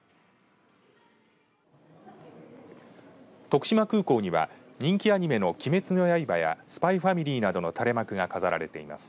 徳島空港には人気アニメの鬼滅の刃やＳＰＹ×ＦＡＭＩＬＹなどの垂れ幕が飾られています。